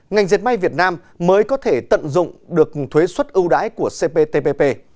ngành diệt may việt nam mới có thể tận dụng được thuế xuất ưu đãi của cptpp